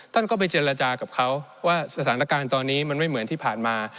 ท่านก็ไปเจรจากับเขาว่าสถานการณ์ตอนนี้มันไม่เหมือนที่ผ่านมา